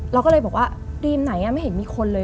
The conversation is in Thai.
เราก็เลยบอกว่ารีมไหนไม่เห็นมีคนเลย